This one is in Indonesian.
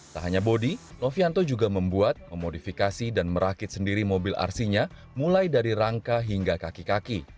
tak hanya bodi novianto juga membuat memodifikasi dan merakit sendiri mobil rc nya mulai dari rangka hingga kaki kaki